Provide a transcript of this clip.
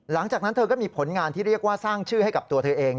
หลังจากนั้นเธอก็มีผลงานที่เรียกว่าสร้างชื่อให้กับตัวเธอเอง